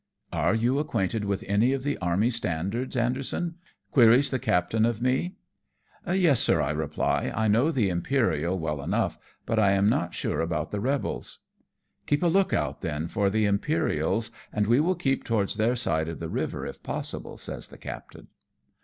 " Are you acquainted with any of the army standards, Anderson ?" queries the captain of me. TO NINGPO. 223 "Yes, sir," I reply^ "I know the Imperial well enough, but I am not sure about the rebels." " Keep a look out, then, for the Imperials, and we will keep towards their side of the river if possible," says the captain.